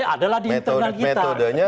adalah di internal kita